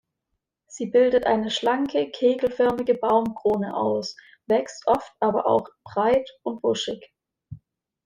Sie bildet eine schlanke kegelförmige Baumkrone aus, wächst oft aber auch breit und buschig.